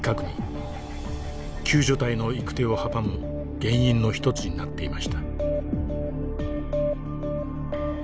救助隊の行く手を阻む原因の一つになっていました。